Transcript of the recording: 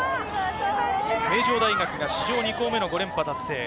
名城大学が史上２校目の５連覇達成。